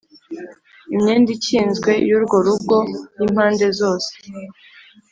Imyenda ikinzwe y urwo rugo y impande zose